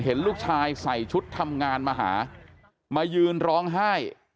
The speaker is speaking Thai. เห็นลูกชายใส่ชุดทำงานมาหามายืนร้องไห้